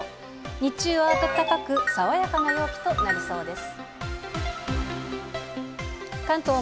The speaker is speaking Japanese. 日中は暖かく、爽やかな陽気となりそうです。